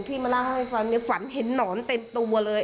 พี่มาเล่าไว้ฝันเห็นนอนเต็มตัวเลย